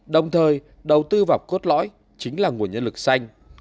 đồng thời đầu tư vào cốt lõi chính là nguồn nhân lực xanh